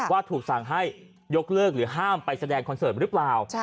ว่าถูกสั่งให้ยกเลิกหรือห้ามไปแสดงคอนเสิร์ตหรือเปล่า